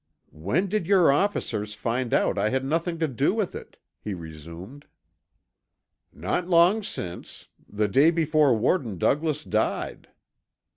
"When did your officers find out I had nothing to do with it?" he resumed. "Not long since; the day before warden Douglas died.